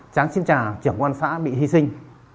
tráng xin trả trưởng quan xã bị hy sinh